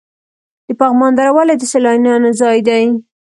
د پغمان دره ولې د سیلانیانو ځای دی؟